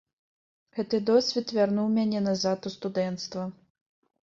Гэты досвед вярнуў мяне назад у студэнцтва.